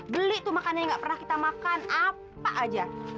beli tuh makanan yang gak pernah kita makan apa aja